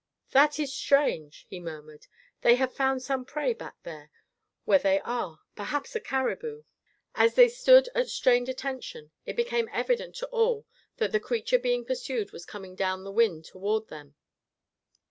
"That is strange," he murmured, "They have found some prey back there where they are, perhaps a caribou." As they stood at strained attention, it became evident to all that the creature being pursued was coming down the wind toward them.